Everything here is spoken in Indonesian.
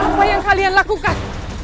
apa yang kalian lakukan